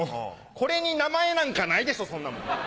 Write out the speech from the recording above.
これに名前なんかないでしょうそんなもん。